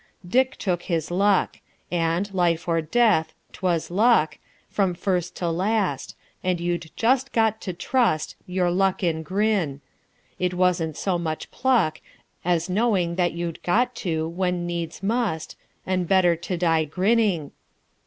Dick took his luck. And, life or death, 't was luck From first to last; and you'd just got to trust Your luck and grin. It wasn't so much pluck As knowing that you'd got to, when needs must, And better to die grinning....